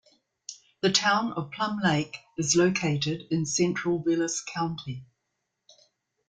The Town of Plum Lake is located in central Vilas County.